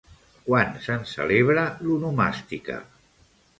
Quan se'n celebra l'onomàstica?